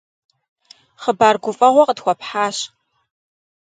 Хъыбар гуфӀэгъуэ къытхуэпхьащ.